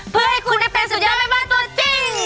เพื่อให้คุณได้เป็นสุดยอดแม่บ้านตัวจริง